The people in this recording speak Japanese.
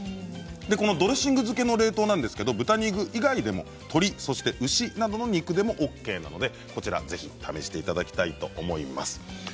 このドレッシング漬けの冷凍は豚肉以外でも鶏そして牛などの肉でもＯＫなのでぜひ試していただきたいと思います。